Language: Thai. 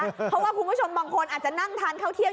เพราะว่าคุณผู้ชมบางคนอาจจะนั่งทานข้าวเที่ยง